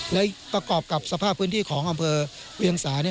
และประกอบกับสภาพพื้นที่ของอำเภอเวียงสา